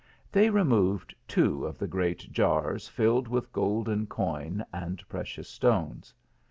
They removed two of the great jars, filled with golden coin and precious stones.